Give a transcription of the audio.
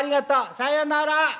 さよなら。